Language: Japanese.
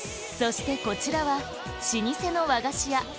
そしてこちらは老舗の和菓子屋